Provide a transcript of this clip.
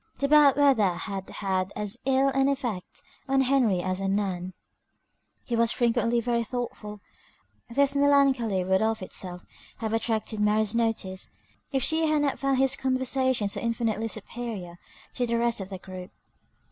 The bad weather had had as ill an effect on Henry as on Ann. He was frequently very thoughtful, or rather melancholy; this melancholy would of itself have attracted Mary's notice, if she had not found his conversation so infinitely superior to the rest of the group.